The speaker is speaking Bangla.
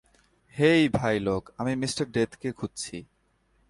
হেই, ভাইলোগ, আমি মিঃ ডেথকে খুঁজছি।